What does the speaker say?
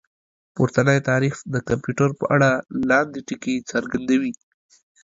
پورتنی تعريف د کمپيوټر په اړه لاندې ټکي څرګندوي